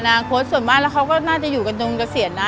อนาคตส่วนมากแล้วเขาก็น่าจะอยู่กันตรงเกษียณนะ